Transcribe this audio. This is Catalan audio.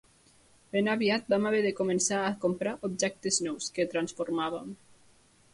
Ben aviat vam haver de començar a comprar objectes nous, que transformàvem.